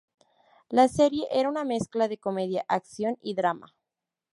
La serie era una mezcla de comedia, acción y drama.